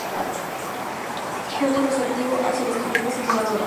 Fue muy receptivo hacia las corrientes innovadoras.